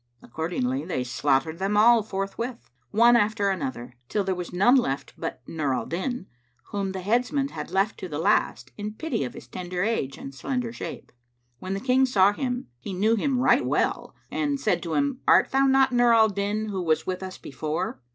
Accordingly they slaughtered them all forthwith, one after another, till there was none left but Nur al Din, whom the headsman had left to the last, in pity of his tender age and slender shape. When the King saw him, he knew him right well and said to him, "Art thou not Nur al Din, who was with us before?"